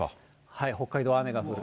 北海道、雨が降る。